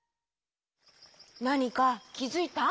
なにかきづいた？